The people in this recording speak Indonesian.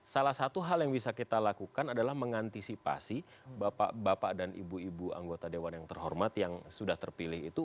salah satu hal yang bisa kita lakukan adalah mengantisipasi bapak dan ibu ibu anggota dewan yang terhormat yang sudah terpilih itu